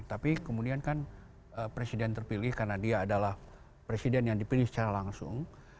tapi kemudian kan presiden terpilih karena dia adalah presiden yang dipilih secara langsung